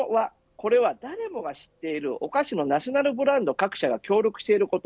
これは、誰もが知っているお菓子のナショナルブランド各社が協力していること。